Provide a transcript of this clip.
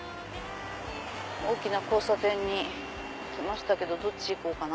大きな交差点に来ましたけどどっち行こうかな？